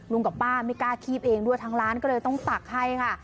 กับป้าไม่กล้าคีบเองด้วยทางร้านก็เลยต้องตักให้ค่ะ